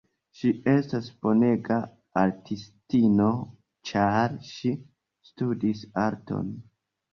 Ŝi estas bonega artistino ĉar ŝi studis arton.